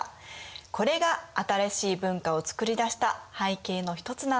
これが新しい文化を作り出した背景の一つなんです。